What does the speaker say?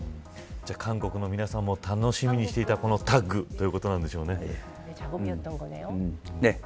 韓国の皆さんも楽しみにしていたこのタッグということなんでしょうね。